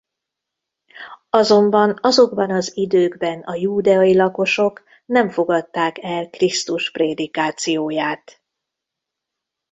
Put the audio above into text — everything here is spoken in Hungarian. Azonban azokban az időkben a júdeai lakosok nem fogadták el Krisztus prédikációját.